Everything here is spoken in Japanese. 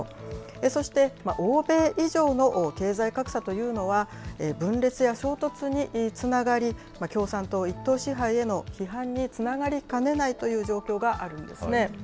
そして欧米以上の経済格差というのは、分裂や衝突につながり、共産党一党支配への批判につながりかねないという状況があるんですね。